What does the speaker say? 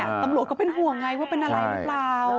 ตำรวจก็เป็นห่วงไงว่าเป็นอะไรหรือเปล่า